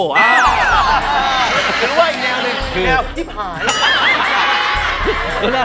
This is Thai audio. หรือว่าอีกแนวหนึ่งแนวจิ๊บหาย